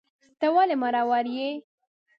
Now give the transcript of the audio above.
ته ولي مرور یې